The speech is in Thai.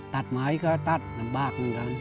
ตัดหมายก็ตัดลำบากอีกเลย